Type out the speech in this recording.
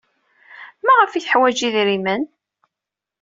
Maɣef ay teḥwaj idirmen?